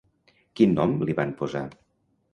Quin nom li van posar?